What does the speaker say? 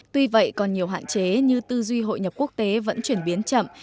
tuy vậy còn nhiều hạn chế như tư duy hội nhập quốc tế vẫn chuyển biến chậm